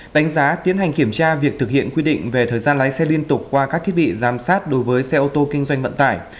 đánh giá tiến hành kiểm tra việc thực hiện quy định về thời gian lái xe liên tục qua các thiết bị giám sát đối với xe ô tô kinh doanh vận tải